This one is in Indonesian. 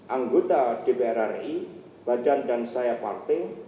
anggota dpr ri badan dan saya partai